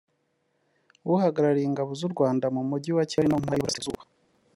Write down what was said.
uhagarariye ingabo z’ u Rwada mu mujyi wa Kigali no mu Ntara y’ Iburasirazuba